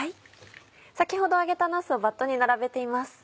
先ほど揚げたなすをバットに並べています。